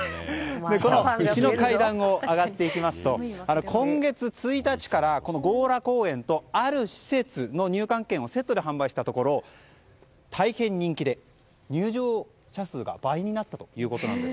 石の階段を上がっていきますと今月１日から強羅公園とある施設の入館券をセットで販売したところ大変人気で入場者数が倍になったということです。